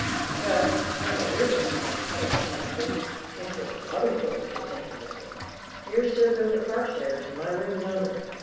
"Well, it's not what you're thinking in this case," he answered; "it's what other folks are thinking of you. Here's Sir Gilbert Carstairs in my room yonder.